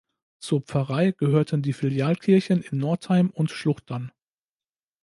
Zur Pfarrei gehörten die Filialkirchen in Nordheim und Schluchtern.